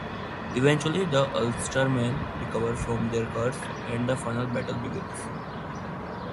Eventually the Ulstermen recover from their curse, and the final battle begins.